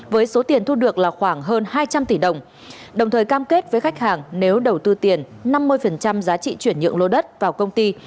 với số tiền thu được là khoảng hơn hai trăm linh tỷ đồng đồng thời cam kết với khách hàng nếu đầu tư tiền năm mươi giá trị chuyển nhượng lô đất vào công ty